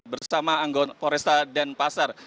bersama anggota koresa dan pasar